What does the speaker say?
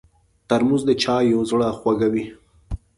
ترموز د چایو زړه خوږوي.